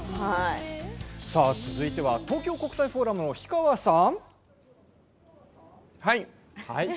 続いては東京国際フォーラムの氷川さん。